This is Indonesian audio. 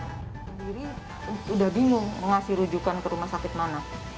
saya sendiri sudah bingung mengasih rujukan ke rumah sakit mana